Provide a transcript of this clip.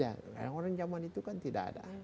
ya orang jaman itu kan tidak ada